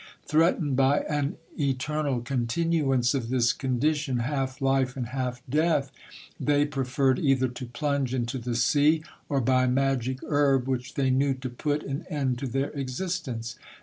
Threatened by an eternal continuance of this condition, half life, and half death, they preferred either to plunge into the sea, or by magic herb which they knew to put an end to their existence.